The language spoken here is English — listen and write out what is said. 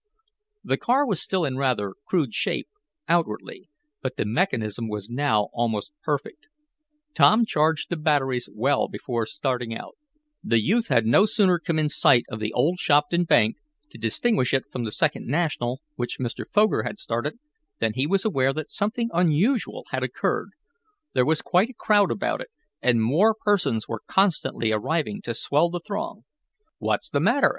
The car was still in rather crude shape, outwardly, but the mechanism was now almost perfect. Tom charged the batteries well before starting out. The youth had no sooner come in sight of the old Shopton bank, to distinguish it from the Second National, which Mr. Foger had started, than he was aware that something unusual had occurred. There was quite a crowd about it, and more persons were constantly arriving to swell the throng. "What's the matter?"